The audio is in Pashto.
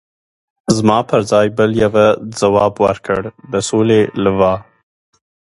زما پر ځای بل یوه ځواب ورکړ: د سولې لوا.